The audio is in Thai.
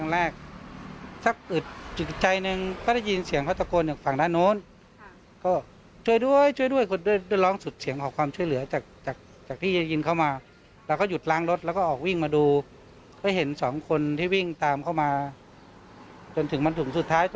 แล้วก็ตะโกนสุดเสียงมาให้แจ้งตำรวจ